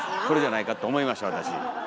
これじゃないかって思いました私。